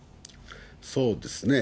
そうですね。